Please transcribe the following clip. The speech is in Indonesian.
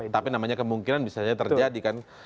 tapi namanya kemungkinan bisa saja terjadi kan